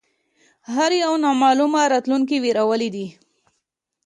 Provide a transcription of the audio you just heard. هر یو نامعلومه راتلونکې وېرولی دی